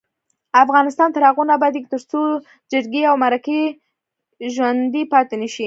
افغانستان تر هغو نه ابادیږي، ترڅو جرګې او مرکې ژوڼدۍ پاتې نشي.